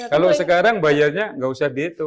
kalau sekarang bayarnya nggak usah dihitung